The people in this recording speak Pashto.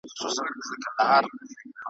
ساقي د محتسب او د شیخانو له شامته`